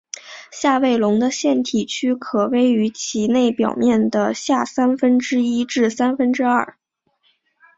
下位笼的腺体区可位于其内表面的下三分之一至三分之二。